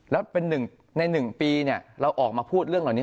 แล้วใน๑ปีเราออกมาพูดเรื่องเหล่านี้